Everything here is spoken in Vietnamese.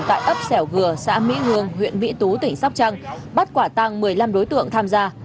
tại ấp xẻo gừa xã mỹ hương huyện mỹ tú tỉnh sóc trăng bắt quả tăng một mươi năm đối tượng tham gia